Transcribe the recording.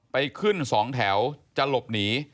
ไปขึ้น๒แถวจะหลบหนี